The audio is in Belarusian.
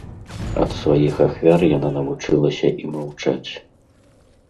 Ад сваіх ахвяр яна навучылася і маўчаць.